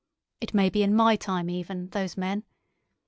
It may be in my time, even—those men.